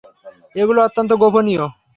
এগুলো অত্যন্ত গোপনীয়!